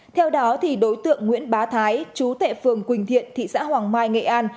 theo đó đối tượng nguyễn bá thái chú tệ phường quỳnh thiện thị xã hoàng mai nghệ an